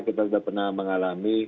kita sudah pernah mengalami